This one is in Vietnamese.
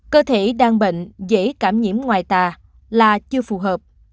cơ thể đang bệnh dễ cảm nhiễm ngoài tà là chưa phù hợp